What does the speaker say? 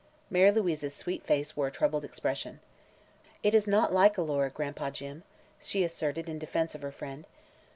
Mary Louise's sweet face wore a troubled expression. "It is not like Alora, Gran'pa Jim," she asserted in defense of her friend.